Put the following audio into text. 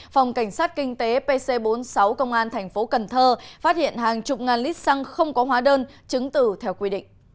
phòng cảnh sát kinh tế pc bốn mươi sáu công an tp cn phát hiện hàng chục ngàn lít xăng không có hóa đơn chứng tử theo quy định